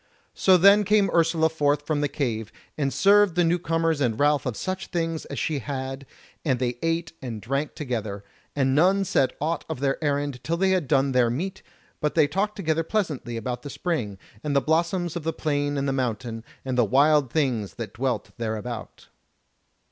So then came Ursula forth from the cave, and served the new comers and Ralph of such things as she had, and they ate and drank together; and none said aught of their errand till they had done their meat, but they talked together pleasantly about the spring, and the blossoms of the plain and the mountain, and the wild things that dwelt thereabout.